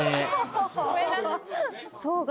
そうか。